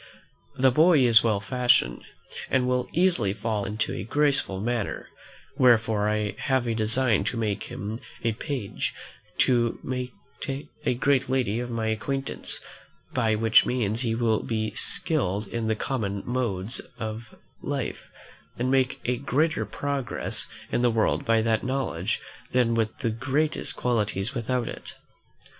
The boy is well fashioned, and will easily fall into a graceful manner; wherefore I have a design to make him a page to a great lady of my acquaintance; by which means he will be well skilled in the common modes of life, and make a greater progress in the world by that knowledge than with the greatest qualities without it.